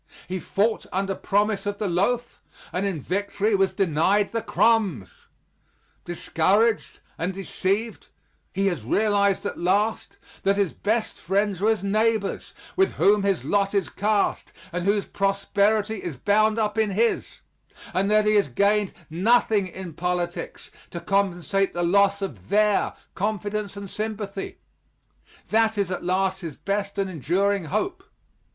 He fought under promise of the loaf, and in victory was denied the crumbs. Discouraged and deceived, he has realized at last that his best friends are his neighbors with whom his lot is cast, and whose prosperity is bound up in his and that he has gained nothing in politics to compensate the loss of their confidence and sympathy, that is at last his best and enduring hope.